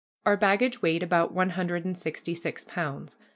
Our baggage weighed about one hundred and sixty six pounds.